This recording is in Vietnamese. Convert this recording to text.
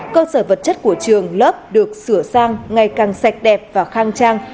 cơ sở vật chất của trường lớp được sửa sang ngày càng sạch đẹp và khang trang